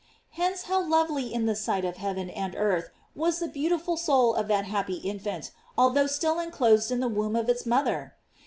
Hence how lovely in the sight of heaven and earth was the beautiful soul of that happy infant, although still inclosed in the womb of its mother!